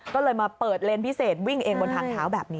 ก็เลยมาเปิดเลนส์พิเศษวิ่งเองบนทางเท้าแบบนี้